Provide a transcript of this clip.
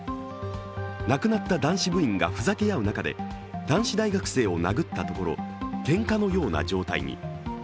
亡くなった男子部員がふざけ合う中で男子大学生を殴ったところけんかのような状態に。